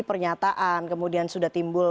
pernyataan kemudian sudah timbul